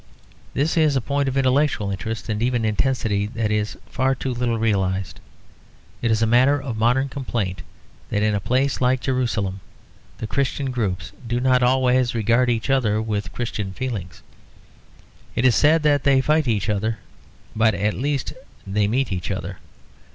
This is a point of intellectual interest, and even intensity, that is far too little realised. It is a matter of modern complaint that in a place like Jerusalem the Christian groups do not always regard each other with Christian feelings. It is said that they fight each other; but at least they meet each other.